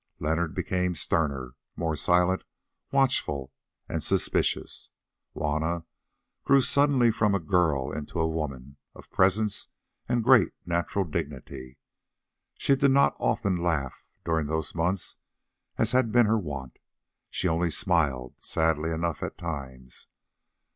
Leonard became sterner, more silent, watchful, and suspicious. Juanna grew suddenly from a girl into a woman of presence and great natural dignity. She did not often laugh during those months as had been her wont, she only smiled, sadly enough at times.